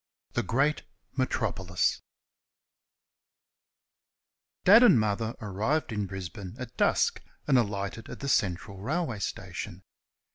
THE GREAT METROPOLIS Dad and Mother arrived in Brisbane at dusk and alighted at the Central railway station.